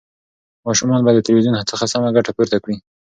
ماشومان باید د تلویزیون څخه سمه ګټه پورته کړي.